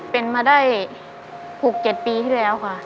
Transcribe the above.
เป็นมาได้๖๗ปีที่แล้วค่ะ